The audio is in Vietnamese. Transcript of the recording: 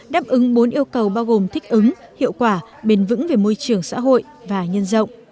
đáp ứng bốn yêu cầu bao gồm thích ứng hiệu quả bền vững về môi trường xã hội và nhân rộng